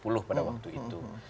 komisi sepuluh pada waktu itu